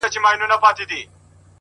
مثبت ذهن ناامیدي شاته پرېږدي!